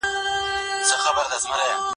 زه پرون د کتابتون کتابونه ولوستل.